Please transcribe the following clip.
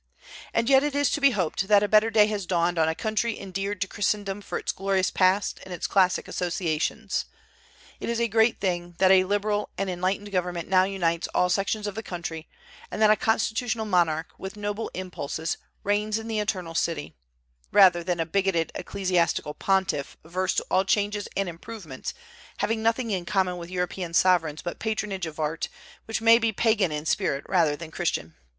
And yet it is to be hoped that a better day has dawned on a country endeared to Christendom for its glorious past and its classic associations. It is a great thing that a liberal and enlightened government now unites all sections of the country, and that a constitutional monarch, with noble impulses, reigns in the "Eternal City," rather than a bigoted ecclesiastical pontiff averse to all changes and improvements, having nothing in common with European sovereigns but patronage of art, which may be Pagan in spirit rather than Christian.